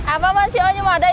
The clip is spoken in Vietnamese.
à vâng vâng chị ơi nhưng mà ở đây